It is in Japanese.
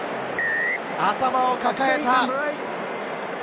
頭を抱えた！